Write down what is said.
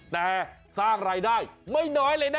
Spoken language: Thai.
แต่สร้างรายได้ไม่น้อยเลยนะ